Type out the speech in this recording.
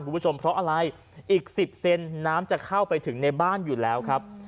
คุณผู้ชมเพราะอะไรอีก๑๐เซนน้ำจะเข้าไปถึงในบ้านอยู่แล้วครับ